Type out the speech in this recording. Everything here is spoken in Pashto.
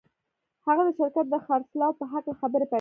هغه د شرکت د خرڅلاو په هکله خبرې پیل کړې